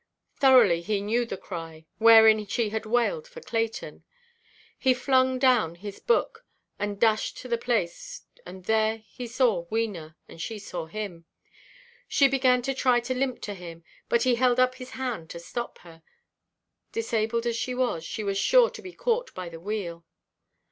Thoroughly he knew the cry, wherein she had wailed for Clayton. He flung down his book, and dashed to the place, and there he saw Wena, and she saw him. She began to try to limp to him, but he held up his hand to stop her; disabled as she was, she was sure to be caught by the wheel.